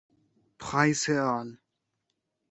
Price et al.